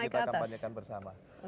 kita akan panjakan bersama